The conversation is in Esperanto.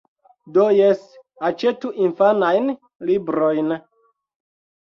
Do, jes. Aĉetu infanajn librojn.